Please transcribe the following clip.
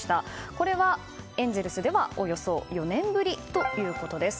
これはエンゼルスではおよそ４年ぶりということです。